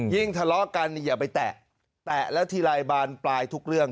ทะเลาะกันอย่าไปแตะแล้วทีไรบานปลายทุกเรื่อง